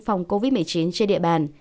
phòng covid một mươi chín trên địa bàn